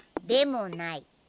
でもない。